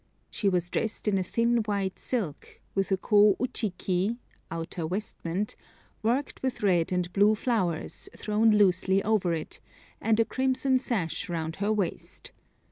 She was dressed in a thin white silk, with a Ko uchiki (outer vestment), worked with red and blue flowers, thrown loosely over it, and a crimson sash round her waist.